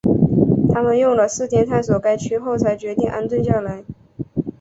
他们用了四天探索该区后才决定安顿下来。